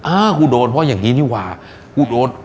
อ้าโดนเพราะอย่างนี้กูโดน